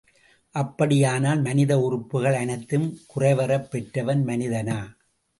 அப்படியானால் மனித உறுப்புகள் அனைத்தும் குறைவறப் பெற்றவன் மனிதனா?